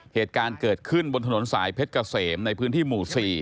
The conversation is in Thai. เหตุการณ์เกิดขึ้นบนถนนสายเพชรเกษมในพื้นที่หมู่๔